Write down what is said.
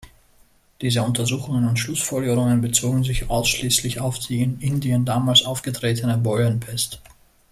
Diese Untersuchungen und Schlussfolgerungen bezogen sich ausschließlich auf die in Indien damals aufgetretene Beulenpest.